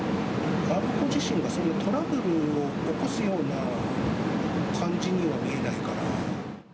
あの子自身が、そういうトラブルを起こすような感じには見えないから。